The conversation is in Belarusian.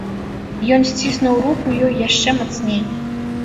Ён сціснуў руку ёй яшчэ мацней.